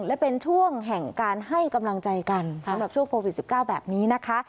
และเป็นช่วงแห่งการให้กำลังใจกันสำหรับช่วงโควิด๑๙แบบนี้นะคะ